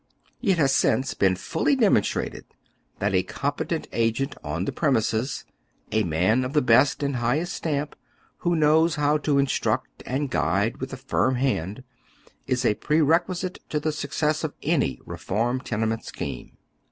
It has since been fully denionstrated that a com petent agent on the premises, a man of the best and the highest stamp, who knows how to instruct and guide with a firm hand, ie a prerequisite to the success of any reform tenement scheme.